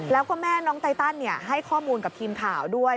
แล้วก็แม่น้องไตตันให้ข้อมูลกับทีมข่าวด้วย